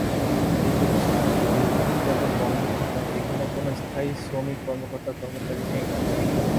এই প্রতিষ্ঠানটি দীর্ঘদিন যাবত্ বন্ধ থাকায় এখানে কোনো স্থায়ী শ্রমিক-কর্মকর্তা-কর্মচারী নেই।